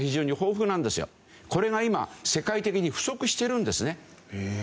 これが今世界的に不足してるんですね。